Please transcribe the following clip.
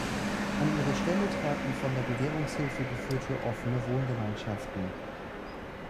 An ihre Stelle traten von der Bewährungshilfe geführte offene Wohngemeinschaften.